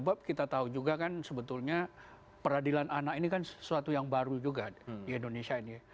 sebab kita tahu juga kan sebetulnya peradilan anak ini kan sesuatu yang baru juga di indonesia ini